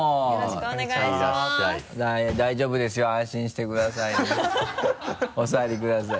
大丈夫ですよ安心してください。